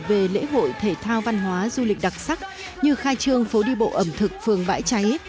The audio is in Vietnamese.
về lễ hội thể thao văn hóa du lịch đặc sắc như khai trương phố đi bộ ẩm thực phường bãi cháy